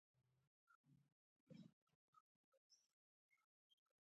بالاخره یوه ورځ وټاکل شوه.